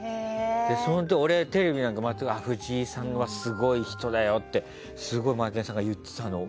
それで俺、藤井さんはすごい人だよってすごいマエケンさんが言ってたのを。